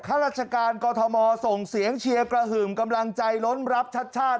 ข้าราชการกอทมส่งเสียงเชียร์กระหึ่มกำลังใจล้นรับชัดชาติ